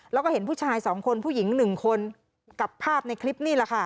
แล้วก็เห็นผู้ชายสองคนผู้หญิง๑คนกับภาพในคลิปนี่แหละค่ะ